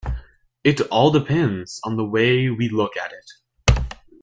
It all depends on the way we look at it.